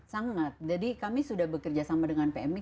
sangat jadi kami sudah bekerja sama dengan pmi